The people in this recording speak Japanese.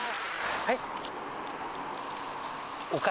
はい。